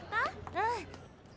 うん。